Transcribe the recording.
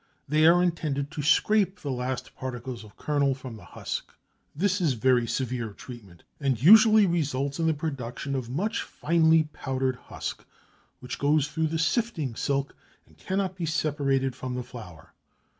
They are intended to scrape the last particles of kernel from the husk. This is very severe treatment, and usually results in the production of much finely powdered husk which goes through the sifting silk and cannot be separated from the flour.